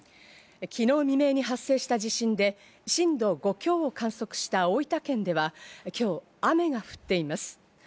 昨日未明に発生した地震で、震度５強を観測した大分県では、今日雨が降っています。